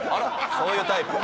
そういうタイプ？